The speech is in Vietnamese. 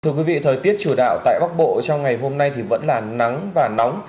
thưa quý vị thời tiết chủ đạo tại bắc bộ trong ngày hôm nay thì vẫn là nắng và nóng